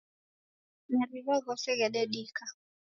Mariw'a ghose ghededika.